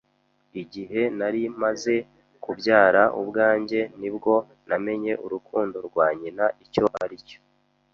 Igihe nari maze kubyara ubwanjye nibwo namenye urukundo rwa nyina icyo aricyo.